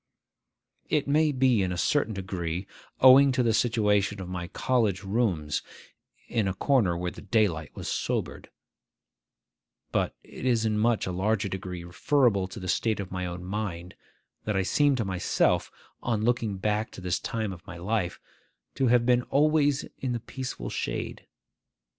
It may be in a certain degree owing to the situation of my college rooms (in a corner where the daylight was sobered), but it is in a much larger degree referable to the state of my own mind, that I seem to myself, on looking back to this time of my life, to have been always in the peaceful shade.